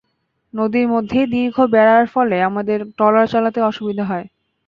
নদীর মধ্যে দীর্ঘ বেড়া থাকার ফলে আমাদের ট্রলার চালাতে অসুবিধা হয়।